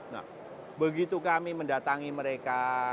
nah begitu kami mendatangi mereka